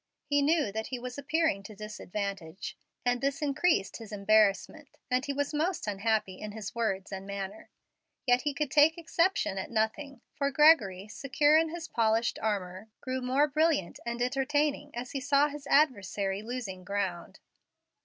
He knew that he was appearing to disadvantage, and this increased his embarrassment, and he was most unhappy in his words and manner. Yet he could take exception at nothing, for Gregory, secure in his polished armor, grew more brilliant and entertaining as he saw his adversary losing ground.